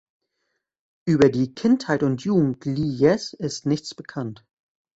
Über die Kindheit und Jugend Li Yes ist nichts bekannt.